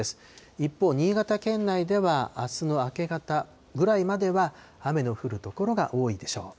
一方、新潟県内では、あすの明け方ぐらいまでは雨の降る所が多いでしょう。